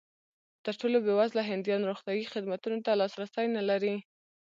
تر ټولو بېوزله هندیان روغتیايي خدمتونو ته لاسرسی نه لري.